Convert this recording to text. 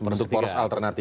untuk poros alternatif